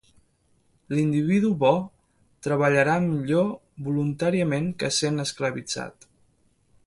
L'individu bo treballarà millor voluntàriament que sent esclavitzat.